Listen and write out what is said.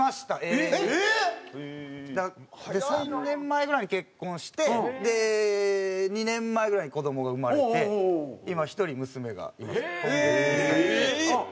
３年前ぐらいに結婚してで２年前ぐらいに子どもが生まれて今１人娘がいます。